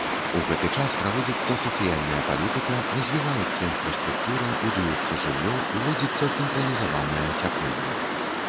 У гэты час праводзіцца сацыяльная палітыка, развіваецца інфраструктура, будуецца жыллё, уводзіцца цэнтралізаванае ацяпленне.